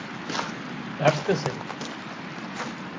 ڍڪ سي